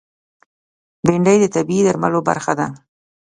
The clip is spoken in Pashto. بېنډۍ د طبعي درملو برخه ده